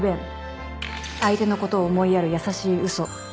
相手のことを思いやる優しい嘘。